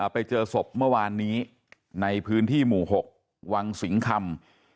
ไปเจอศพเมื่อวานนี้ในพื้นที่หมู่๖วังสิงคำ